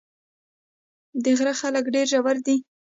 د غره خلک ډېر زړور دي.